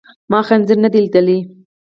ما خنزير ندی لیدلی.